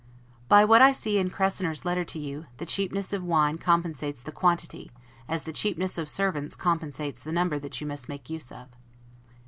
By what I see in Cressener's letter to you, the cheapness of wine compensates the quantity, as the cheapness of servants compensates the number that you must make use of.